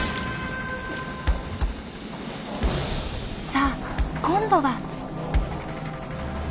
さあ今度は。